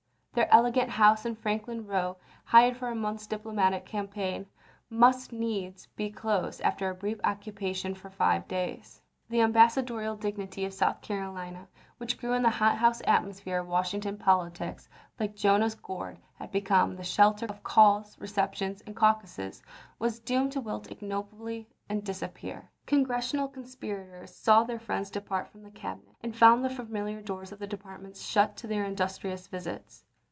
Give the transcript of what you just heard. Their elegant house in Franklin Row, hired for a month's diplomatic campaign, must needs be closed after a brief occupation of five days. The ambassadorial dignity of South Carolina, which grew in the hot house atmosphere of Washington politics like Jonah's gourd and had become the shelter of calls, receptions, and caucuses, was doomed to wilt ignobly and disap pear. Congressional conspirators saw their friends depart from the Cabinet, and found the familiar doors of the departments shut to their industrious visits.